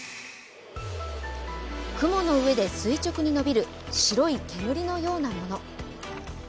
雲の上で垂直に延びる白い煙のようなもの。